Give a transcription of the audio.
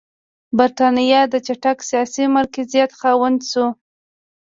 برېټانیا د چټک سیاسي مرکزیت خاونده شوه.